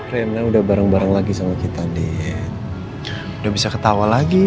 rena udah bareng bareng lagi sama kita di udah bisa ketawa lagi